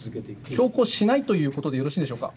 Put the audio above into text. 強行しないということでよろしいんでしょうか？